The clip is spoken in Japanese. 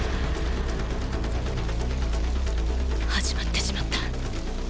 始まってしまった。